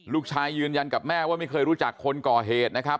ยืนยันกับแม่ว่าไม่เคยรู้จักคนก่อเหตุนะครับ